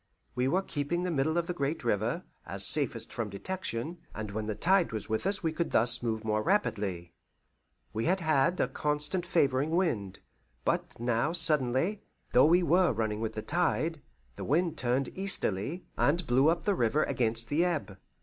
We were keeping the middle of the great river, as safest from detection, and when the tide was with us we could thus move more rapidly. We had had a constant favouring wind, but now suddenly, though we were running with the tide, the wind turned easterly, and blew up the river against the ebb.